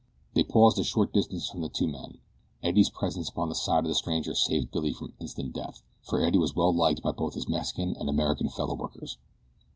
They paused a short distance from the two men. Eddie's presence upon the side of the stranger saved Billy from instant death, for Eddie was well liked by both his Mexican and American fellow workers.